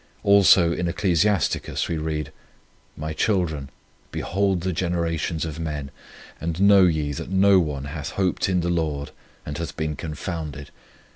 1 Also in Ecclesiasticus we read :" My children, behold the generations of men ; and know ye that no one hath hoped in the Lord, and hath been confounded.